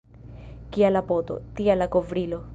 Kia la poto, tia la kovrilo.